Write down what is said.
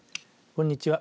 こんにちは。